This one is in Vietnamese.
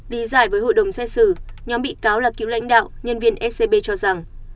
đi dạy với hộ đồng xét xử nhóm bị cáo là cựu lãnh đạo nhân viên scb cho rằng